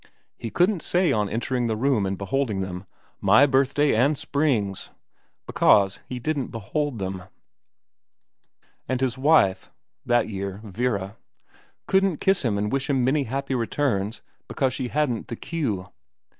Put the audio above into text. He couldn't say on entering the room and beholding them, ' My birthday and Spring's,' because he didn't behold them ; and his wife that year Vera couldn't kiss him and wish him many happy returns because she hadn't the cue.